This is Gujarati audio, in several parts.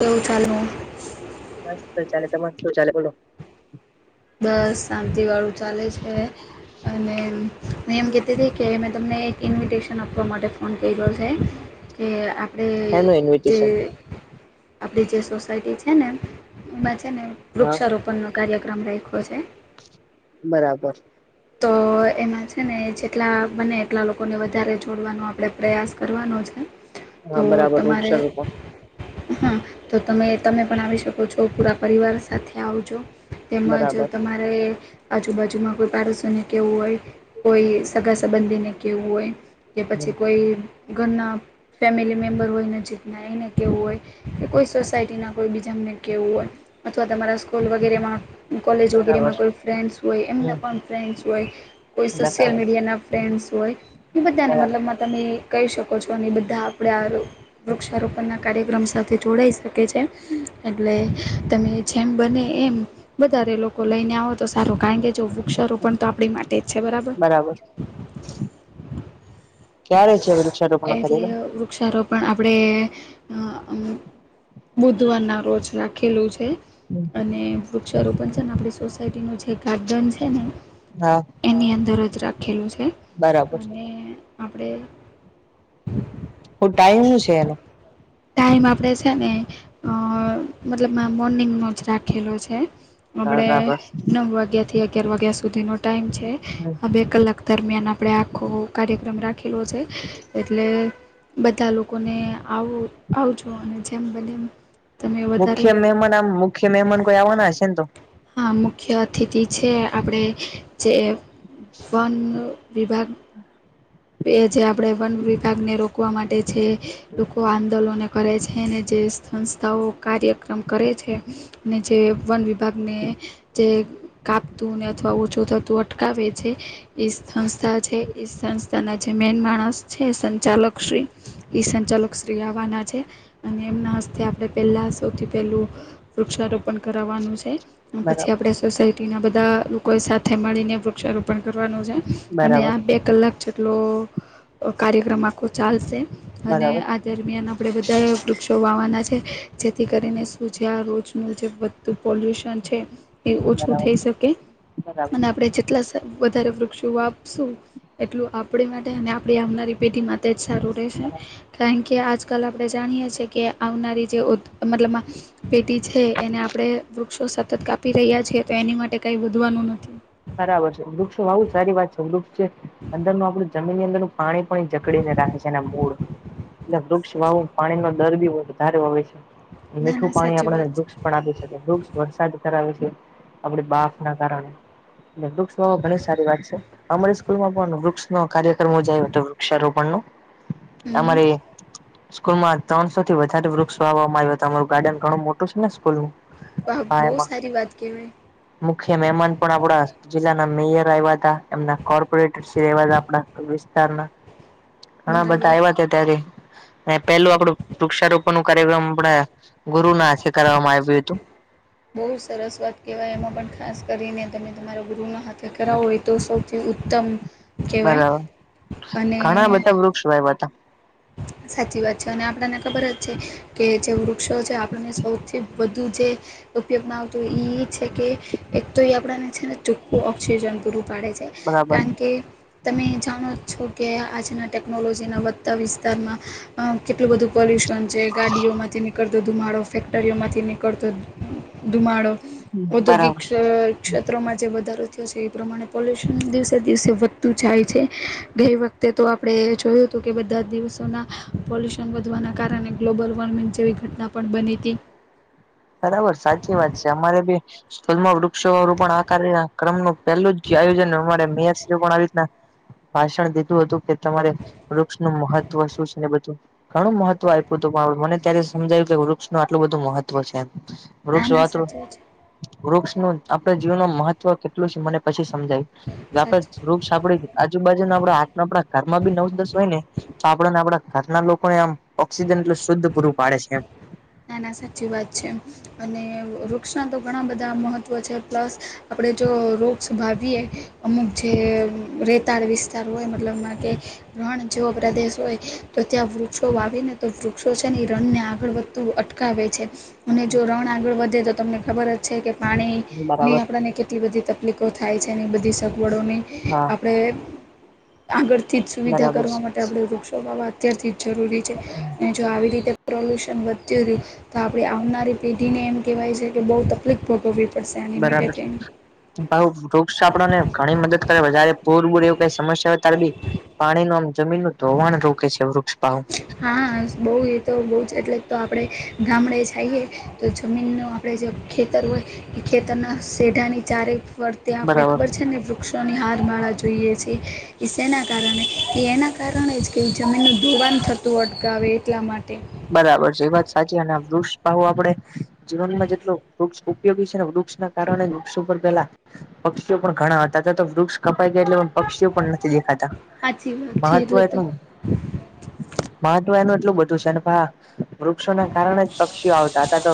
[unintelligible] ચાલું મસ્ત ચાલે તમારે કેવું ચાલે બોલો? બસ શાંતિ વાળું ચાલે છે અને મેં એમ કેહતી કે મેં તમને એક ઇન્વિટેશન આપવા માટે ફોન કર્યો છે કે આપણે હેનું જે ઇન્વિટેશન આપડી જે સોસાયટી છે ને એમાં છે ને હા વૃક્ષારોપણ નો કાર્યક્રમ રાખ્યો છે. બરાબર. તો એમાં છે ને જેટલા બને એટલા લોકોને વધારે જોડવાનો આપણે પ્રયાસ કરવાનો છે. તો હા બરાબર તમારે વૃક્ષારોપણ હા તો તમે તમે પણ આવી શકો છો પુરા પરિવાર સાથે આવજો. તેમજ પણ બરાબર તમારે આજુબાજુમાં કોઈ પડોશી ને કેવું હોય કોઈ સગા સંબંધીને કેવું હોય કે પછી હમ કોઈ ઘરના ફેમિલી મેમ્બર હોયને જીતનાયને કેવું હોય કે કોઈ સોસાયટી ના કોઈ બીજા એમને કેવું હોય અથવા તમારા સ્કૂલ વગેરેમાં, કોલેજ બરાબર વગેરેમાં કોઈ ફ્રેન્ડ્સ હોય એમને હમ પણ સોશિયલ બરાબર મીડિયાના ફ્રેન્ડ હોય, એ બધાને બરાબર મતલબ- - માં તમે કહી શકો છો, અને બધા આપણે આ વૃક્ષારોપણના કાર્યક્રમ સાથે જોડાઈશુ. એટલે તમે જેમ બને એમ વધારે લોકો લઈને આવતા. તો સારો, કારણ કે જો વૃક્ષારોપણ તો આપણી માટે જ છે, બરાબર. ક્યારે છે વૃક્ષારોપણ એટલે કરેલો વૃક્ષારોપણ પણ આપણે બુધવારના રોજ રાખેલું છે. અને વૃક્ષારોપણ છે ને, આપડી સોસાયટી નું જે ગાર્ડન છે ને. હા. એની અંદર જ રાખેલું છે, બરાબર અને આપણે- હું ટાઈમ હું છે એનો - ટાઈમ આપણે છે ને, મતલબ, મોર્નિંગનો જ રાખેલો છે. આપણે બરાબર નવ વાગ્યા થી અગયાર વાગ્યા સુધીનો ટાઈમ છે, હમ આ બે કલાક દરમિયાન આપણે આખો કાર્યક્રમ રાખી રાખેલો છે, એટલે બધા લોકોને આવ આવજો અને- - અ થ બલમ- - [unintelligible] મુખ્ય મહેમાન આમ, મુખ્ય મહેમાન કોઈ આવવાના હશે ને તો? હા, મુખ્ય અતિથિ છે, આપણે જે વન વિભાગ એ જે આપણે વન વિભાગને રોકવા માટે છે, લોકો આંદોલને કરે છે, અને જે સંસ્થાઓ કાર્યક્રમ કરે છે. ને જે વન વિભાગને- - જે કાપતું ને અથવા ઓછું થતું અટકાવે છે. સંસ્થા છે, સંસ્થા ના જે મેન માણસ છે, સંચાલક શ્રી‌. ઈ સંચાલક શ્રી આવવાના છે, અને એમના હસ્તે આપડે પેલા સૌથી પેલું- - વૃક્ષારોપણ કરવવાનું છે. પછી બરાબર આપડે સોસાયટી ના બધા લોકો સાથે મળીને વૃક્ષારોપણ કરવાનું છે. અને બરાબર આ બે કલાક જેટલો કાર્યક્રમ આખો ચાલશે. અને બરાબર આ દરમિયાન આપડે બધા વ જોવાવાના છે, જેથી કરીને શું જે આ રોજનું જે પોલ્યુશન છે, એ ઓછું થઈ બરાબર શકે, બરાબર અને આપણે જેટલા- - વધારે વૃક્ષો વાવીશું, એટલું આપણી માટે અને આપણી આવનારી પેઢીમાં- - તે જ સારું રહેશે, બરાબર કારણ કે આજ આજકાલ આપણે જાણીએ છીએ કે, આવનારી જે મતલબ પેટી છે, એને આપણે વૃક્ષો સતત કાપી રહ્યા છીએ, તો એની માટે કઈ વધવાનું નથી. બરાબર છે, વૃક્ષો વાવવું સારી વાત છે. વૃક્ષ છે અંદરનું આપણું જમીનની અંદર- - પાણી પણ જકડીને રાખે છે, એના મૂળ- - એટલે વૃક્ષ વાવું પાણી નો દર બી વધારે હોય છે. ના મીઠું ના પાણી સાચી આપણને વાત છે વૃક્ષ પણ આપી શકે, વૃક્ષ વરસાદ ધરાવે છે, આપડી બાફ ના કારણે. વૃક્ષ વાવવા ઘણી સારી વાત છે. અમારી સ્કૂલમાં પણ વૃક્ષ ન કાર્ય- - જાય હતો, વૃક્ષારોપણ ન હમ હમ અમારે- - સ્કૂલ માં ત્રણસો થી વધારે વૃક્ષ વાવવામાં આવ્યા હતા, મારું ગાર્ડન ઘણું મોટું છે ને સ્કૂલ નું. બ બહુ સારી વાત કેવાય. મુખ્ય મહેમાન પણ આપડા જિલ્લાના મેયર આવ્યા હતા. એમના કોર્પોરેટર એવા આપડા વિસ્તારના ઘણા બધા બરાબર આવ્યા હતા ત્યારે. પેલું આપડું વૃક્ષારોપણ નું કાર્યક્રમ આપડા ગુરુ ના હાથે કરવામાં આવ્યું હતું. બહુ સરસ વાત કહેવાય. એમાં પણ ખાસ કરીને તમે તમારા ગૃહ ના હાથ કરવા હોય તો સૌથી ઉત્તમ કહેવાય, અને- - વૃક્ષો વાવવા જઈએ. સાચી વાત છે, અને આપણને ખબર જ છે. કે જે વૃક્ષો છે, આપણને સૌથી વધુ જે ઉપયોગમાં આવતો એ છે કે, એક તો એ આપણને છે ને ચોખ્ખું ઓક્સિજન પૂરું પાડે છે. બરાબર કારણ કે તમે જાણો છો કે આજના ટેકનોલોજીના વધતા વિસ્તારમાં અ કેટલું બધું પોલ્યુશન છે, ગાડીઓમાંથી નીકળ તો ધુમાડો ફેક્ટરીઓ માંથી નીકળતો ધુમાડો ઔદ્યોગિક બરાબર ક્ષ ક્ષેત્રોમાં જે વધારો થયો છે, એ પ્રમાણે પોલ્યુશન દિવસે દિવસે વધતું જાય છે, ગઈ વ તે તો આપણે જોયું હતું કે બધા જ દિવસોના પોલ્યુશન વધવાના કારણે ગ્લોબલ વોર્મિંગ જેવી ઘટના પણ બનીતી બરાબર સાચી વાત છે, અમારે બી સ્થુમાં વૃક્ષરોપણ આ કાર્ય ક્રમનું પહેલું જ આયોજન અમારે મેયર આવી રીતના ભાષણ દીધું હતું કે તમારે વૃક્ષનું મહત્વ શું છે, ને બધું ઘણું મહત્વ આપ્યું હતું પણ મને ત્યારે સમજાયું કે વૃક્ષનું આટલું બધું મહત્વ છે, એમ ના વૃક્ષ ના વાતરુ સાચું જ વૃક્ષનું આપણા જીવનમાં મહત્વ કેટલું છે, મને પછી સમજાયુ આપડે સાચું વૃક્ષ આપડે આજુબાજુના આપ આ આપણા ઘરમાં બી નવ દસ હોય ને તો આપને આપડા ઘરના લોકોને આમ ઓક્સિજન એટલુ શુદ્ધ પૂરું પાડે છે, એમ ના ના સાચી વાત છે. અને વૃક્ષના તો ઘણા બધા મહત્ત્વ છે, પ્લસ આપણે જો વૃક્ષ વાવીએ અમુક જે રેતાળ વિસ્ તાર હોય મતલબ કે રણ જેવો પ્રદેશ હોય તો ત્યાં વૃક્ષો વાવી ન તો વૃક્ષો છે, ને એ રણને આગળ વધતું અટકાવે છે. અને જો રણ આગળ વધે તો તમને ખબર છે, કે એમ પાણીની બરાબર આપણને કેટલી બધી તકલીફો થાય છે, એની બધી સગવડોની હા. આપડે આગળથી જ સુવિધા બરાબર કરવા છે માટે આપણે વૃક્ષો વાવા અત્યારથી જ જરૂરી છે. અને જો આવી રીતે પ્રોલ્યુશન વધ્યું રહ્યું તો આપણે આવનારી પેઢીને એમ કેવાય છે, કે બો તકલીફ ભોગવવી પડશે આની માટે બરાબર થઈ ને વૃક્ષ આપણને ઘણી મદદ કરે વધારે પૂરબૂર એવું કઈ સમસ્યા હોય ત્યારે બી પાણી નુ આમ જમીન નુ ધોવાણ રોકે છે, વૃક્ષપાવ હા બો એ તો બો જ એટલે તો આપડે ગામડે જાયએ તો જમીન નુ આપડે જે ખેતર હોય એ ખેતરના સેઢાની ચારે વર્તે આપડે બરાબર ખબર છે, ને વૃક્ષોની હાર માળા જોઈએ છે. એ સેના કારણે એ એના કારણે જ કે જમીનનું ધોવાન થતું અટકાવે એટલા માટે બરાબર છે, એ વાત સાચી અને વૃક્ષપાવ આપણે જીવનમાં જેટલું વૃક્ષ ઉપયોગી છે, ને વૃક્ષના કારણે વૃક્ષ ઉપર પેલા પક્ષીઓ પણ ઘણા હતાતા તો વૃક્ષ કપાઈ ગયા એટલે પક્ષીઓ પણ નથી દેખાતા સાચી વાત છે મહત્વ એટલે તો એટલુ મહત્વ એનું એટલું બધું છે, ને પા વૃક્ષોના કારણે જ પક્ષીઓ આવતા હતા તો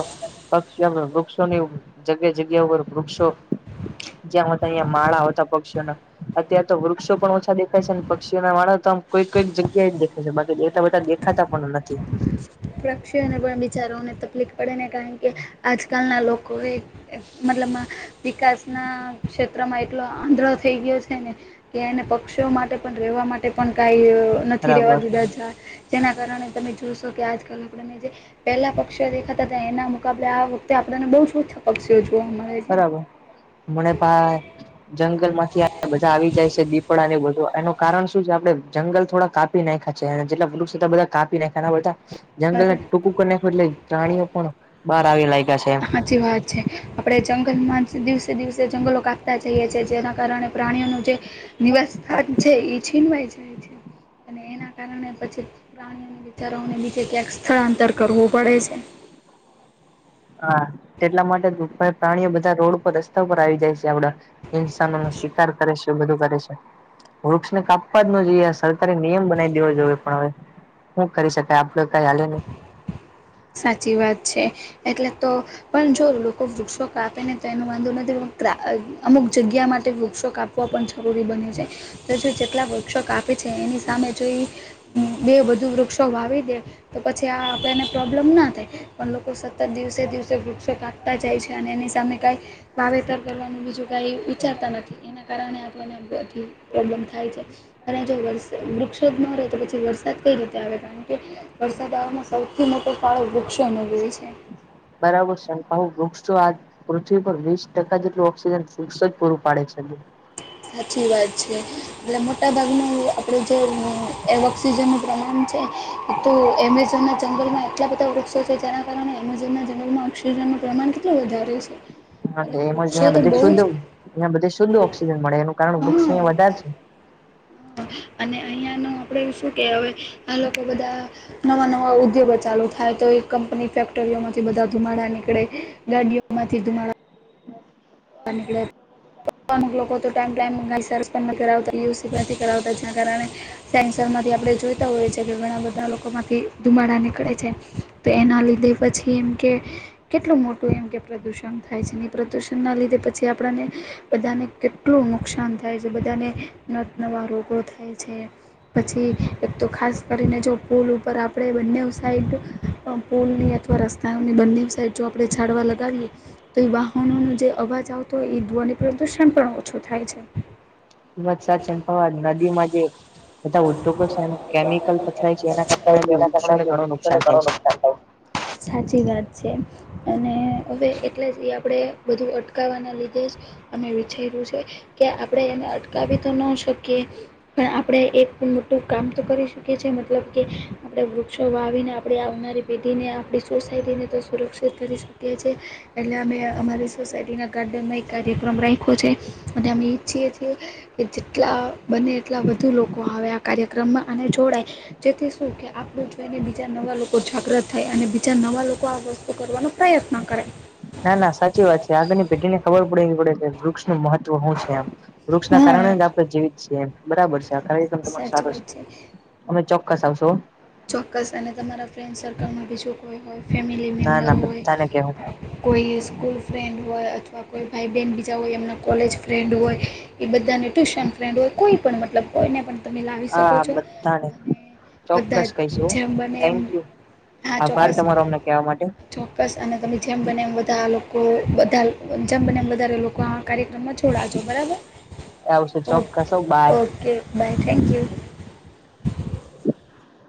પક્ષી વૃક્ષોની જગ્યા જગ્યા ઉપર વૃક્ષો જ્યાંતા અયાયા માળા હતા પક્ષીના અત્યારે તો વૃક્ષો પણ ઓછા દેખાય છે, ને પક્ષીને વાળા તો આમ કોઈ કઈક જગ્યાએ દે બાકી બેઠા બેઠા દેખાતા પણ નથી. પક્ષીને પણ બિચારાને તકલીફ પડેને કારણ કે આજકાલના લોકોએ મતલબમા વિકાસના ક્ષેત્રમાં એટલો આંધળો થઈ ગયો છે, ને કે એને પક્ષીઓ માટે પણ રહેેવા માટે પણ કાય નથી રેવા બરાબર દીધા જા જેના કારણે તમે જોશો કે આજ કાલ આપણે જે પહેલા પક્ષી દેખાતાતા એના મુકાબલે આ વખતે આપને બોવ જ ઓછા પક્ષીઓ જોવા મળે છે. બરાબર મને પા જંગલમાંથી બધા આવી જાય છે દીપડા બધું એનું કારણ શું છે આપડે જંગલ થોડાક કાપ પિ ના છે જેટલા વૃક્ષ હતા બધા જંગલને છે. ટૂંકું કરી નાખુ એટલે પ્રાણીઓ પણ બહાર આવી લાગ્યા છે. સાચી વાત છે, આપણે જંગલમાં જ દિવસે દિવસે જંગલો કાપતા જઈએ છિએ જેના કારણે પ્રાણીઓનું જે નિવાસ સ્થાન છે, એ છીનવાય છે. [inaudible] [inaudible] એના કારણે પછી પ્રાણીઓના વિચારાને નીચે ક્યાંક સ્થળાંતર કરવું પડે છે. હા એટલા માટે પ્રાણીઓ બધા રોડ પર રસ્તા ઉપર આવી જાય છે આપડા ઇન્સાનોનો શિકાર કરે છે બધું કરે છે વૃક્ષને કાપવા જ ન જોઈએ, સરકારે નિયમ બનાવી દેવો જોઈએ, પણ હવે શું કરી શકાય આપડે કઈ હાલે નહી સાચી વાત છે, એટલે તો પણ જો લોકો વૃક્ષો કાપે ને તો એનો વાંધો નથી પણ અમુક જગ્યા માટે વૃક્ષો કાપે પણ જરૂરી બને છે જો જેટલા વુક્ષો કાપે છે એની સામે જો બે બધું વૃક્ષો વાવી દે તો પછી આ આપણેને પ્રોબ્લેમ ના થાય પણ લોકો સતત દિવસે દિવસે વૃક્ષો કાપતા જાય છે અને એની સામે કાંઈ વાવેતર પહેલાનું બીજું કઇ વિચારતા નથી એના કારણે આ તને બધી પ્રોબ્લેમ થાય છે અને જો વ વૃક્ષો જ ન રહે તો પછી વરસાદ કઈ રીતે આવે કારણ કે વરસાદ આવવામાં સૌ- -થી ફાળો વૃક્ષોનો હોય છે. બરાબર છે વુક્ષ તો આજ પૃથ્વી પર વીસ ટકા જેટલું ઓક્સિજન વુક્ષો જ પૂરું પાડે છે‌. સાચી વાત છે. એટલે મોટા ભાગનું આપડું જે એર ઓક્સિજનનું પ્રમાણ છે. તો એમેઝોનના જંગલમાં એટલા બધા વૃક્ષો છે જેના કારણે એમેઝોનના જંગલમાં ઓક્સિજનનું પ્રમાણ એટલુ વધારે છે. એટલે એમાં જ વૃક્ષો તો બધ બહુ જ શુદ્ધ અ બધે શુદ્ધ ઓક્સિજન મળે એનું કાર વૃક્ષો હા વધારે છે‌ અને અહીંયાનું આપણે શું કે હવે આ લોકો બધા નવા નવા ઉદ્યોગો ચાલુ થાય તો એ કંપની ફેક્ટરીઓમાંથી બધા ધુમાડા નીકળે, ગાડીઓમાંથી ધુમાડા [inaudible] [inaudible] [inaudible] અમુક લોકો ટાઈમ ટાઈમ પણ સર્વિસ નથી કરાવતા નથી કરાવતા જેના કારણે સેનન્સર માંથી આપણે જોઈતા હોઈ છી કે ઘણા બધા લોકો માંથી ધુમાડા નીકળે છે. તો એના લીધે પછી એમ કે કેટલું મોટું એમ કે પ્રદૂષણ થાય છે ને પ્રદુષણના લીધે તે પછી આપણાને બધાને કેટલું નુકસાન થાય છે બધાને નતનવા રોગો થાય છે. પછી એક તો ખાસ કરીને જો પુલ ઉપર આપણે બંને સાઈડ પણ પુલ ની અથવા રસ્તાઓની બંનેની સાઈડ જો આપણે છાડવા લગાવીએ તો એ વાહનો જે અવાજ આવતો હોય એ જોવા નહીં પરંતુ શણકણ ઓછો થાય છે ઇ વાત સાચી નદીમાંજ બધા ઉદ્યોગો છે કેમિકલ પથરાય છે એના કારણે વૃક્ષોને ઘણું નુકસાન થાય છે. સાચી વાત છે. અને હવે એટલે જ એ આપણેે બધું અટકાવવાના લીધે અમે વિચાર્યું છે કે આપણે એને અટકાવી તો ન શકીએ પણ આપણે એક મોટું કામ તો કરી શકી છે મતલબ કે આપડે વૃક્ષો વાવીને આપણેે આવનારી પેઢીને આપણી સોસાયટીને તો સુરક્ષિત કરી શકીએ છીએ. એટલે અમે અમારી સોસાયટીના ગાર્ડનમાં એક કાર્યક્રમ રાખ્યો છે અને અમે ઈચ્છીએ છીએ. કે જેટલા બને એટલા વધુ લોકો આવે આ કાર્યક્રમમાં આ જોડાય જેથી શું કે આપણું ઈને બીજા નવા લોકો જાગ્રત થયા અને બીજા નવા લોકો આ વસ્તુ કરવાનો પ્રયત્ન કરે. ના ના સાચી વાત છે. આગળની પેઢી ને ખબર પડેવી પડે કે વૃક્ષનું મહત્વ શું છે એમ. વૃક્ષ ના કારણે હા. જ આપણે જીવીત છીએ એમ. બરાબર છે આખરે તમાર સાચી સારો છે વાત અમે ચોક્કસ આવશો હો. ચોક્કસ અને તમારા ફ્રેન્ડ સર્કલમાં બીજું કોઈ હોય ફેમિલી ના ના મેમ્બર બધાને કેવું હોય કોઈ સ્કૂલ ફ્રેન્ડ હોય અથવા કોઈ ભાઈ બહેન બીજા હોય એમના કોલેજ ફ્રેન્ડ હોય એ બધાને ટ્યુશન ફ્રેન્ડ હોય કોઈ પણ મતલબ કોઈને પણ તમે લાવી શકો હા છો, બધાને બધા જ ચોક્કસ કહીશું જેમ બને એમ, થેન્ક યુ હા આભાર ચોક્કસ. તમારો અમને કહેવા માટે ચોક્કસ અને તમે જેમ બને એમ બધા લોકો બધા જેમ બને એમ વધારે લોકો આ કાર્યક્રમમાં જ છોડાજો બરાબર? આવશું ઓકે, ચોક્કસ હો બાય. Okay, bye, thank you.